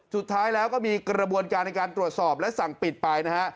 สุดท้ายแล้วก็มีกระบวนการในการตรวจสอบและสั่งปิดไปนะฮะ